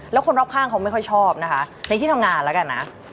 แล้วคนรอบข้างเขาไม่ค่อยชอบนะคะในที่ทำงานแล้วกันนะ